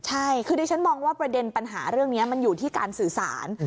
ใช่คือดิฉันมองว่าประเด็นปัญหาเรื่องนี้มันอยู่ที่การสื่อสาร